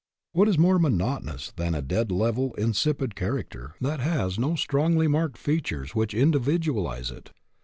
What is more monotonous than a dead level, insipid character, that has no strongly marked features which individualize it?